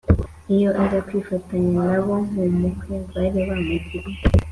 Iyo aza kwifatanya na bo mu mpuhwe bari bamugiriye